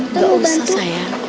gak usah sayang